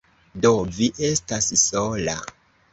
Do, vi estas sola